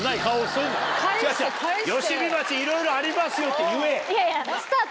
吉見町いろいろありますよって言え。